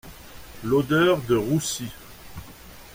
L’odeur de roussi.